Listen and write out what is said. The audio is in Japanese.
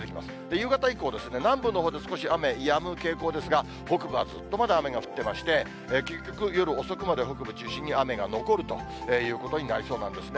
夕方以降、南部のほうで少し雨やむ傾向ですが、北部はずっとまだ雨が降ってまして、結局、夜遅くまで北部中心に雨が残るということになりそうなんですね。